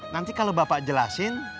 nanti kalau bapak jelasin